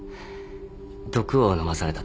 毒を飲まされたって。